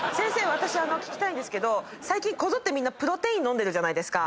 私聞きたいんですが最近こぞってみんなプロテイン飲んでるじゃないですか。